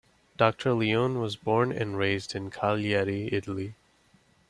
Doctor Leone was born and raised in Cagliari, Italy.